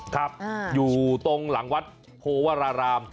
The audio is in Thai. ครับอยู่ตรงหลังวัดโพวราราม